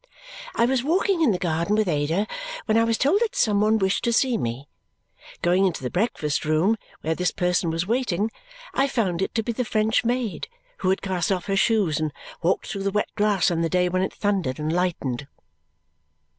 I was walking in the garden with Ada when I was told that some one wished to see me. Going into the breakfast room where this person was waiting, I found it to be the French maid who had cast off her shoes and walked through the wet grass on the day when it thundered and lightened.